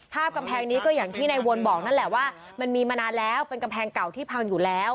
กำแพงนี้ก็อย่างที่ในวนบอกนั่นแหละว่ามันมีมานานแล้วเป็นกำแพงเก่าที่พังอยู่แล้ว